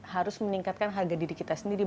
harus meningkatkan harga diri kita sendiri